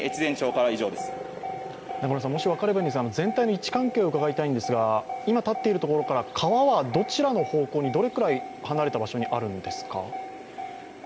全体の位置関係を伺いたいんですが今立っているところから川はどちらの方向にどのくらい離れた場所にあるんですか？